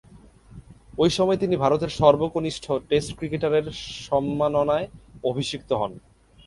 ঐ সময়ে তিনি ভারতের সর্বকনিষ্ঠ টেস্ট ক্রিকেটারের সম্মাননায় অভিষিক্ত হন।